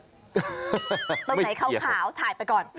ตรงไหนขาวถ่ายไปก่อน